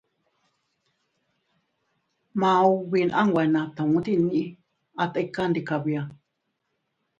Maubine a nwe natu tinnii, a tika dii kabi.